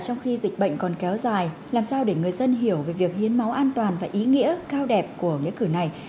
trong khi dịch bệnh còn kéo dài làm sao để người dân hiểu về việc hiến máu an toàn và ý nghĩa cao đẹp của nghĩa cử này